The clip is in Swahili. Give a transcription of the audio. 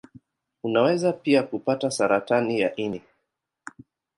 Unaweza pia kupata saratani ya ini.